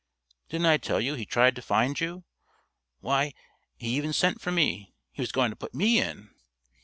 "Didn't I tell you he tried to find you! Why, he even sent for me; he was going to put me in."